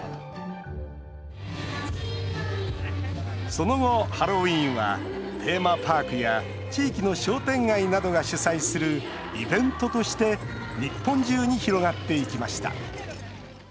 その後、ハロウィーンはテーマパークや地域の商店街などが主催するイベントとして日本中に広がっていきました。